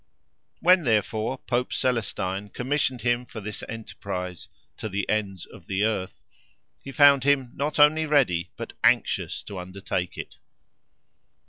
When, therefore, Pope Celestine commissioned him for this enterprise, "to the ends of the earth," he found him not only ready but anxious to undertake it.